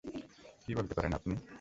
কী বলতে পারেন আপনি?